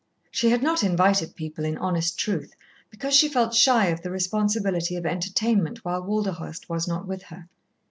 She had not invited people, in honest truth, because she felt shy of the responsibility of entertainment while Walderhurst was not with her.